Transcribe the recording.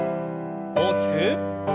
大きく。